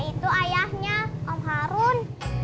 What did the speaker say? itu ayahnya om harun